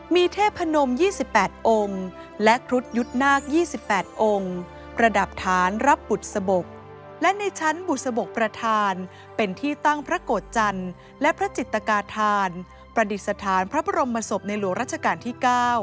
มีเทพนม๒๘องค์และครุฑยุทธ์นาค๒๘องค์ประดับฐานรับบุษบกและในชั้นบุษบกประธานเป็นที่ตั้งพระโกรธจันทร์และพระจิตกาธานประดิษฐานพระบรมศพในหลวงราชการที่๙